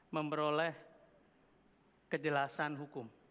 memperoleh kejelasan hukum